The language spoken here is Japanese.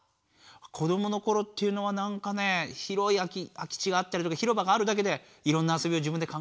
子どものころっていうのはなんかね広い空き地があったりとか広場があるだけでいろんなあそびを自分で考えました。